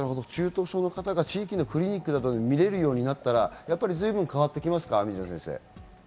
中等症の方が地域のクリニックで見られるようになったら変わってきますか？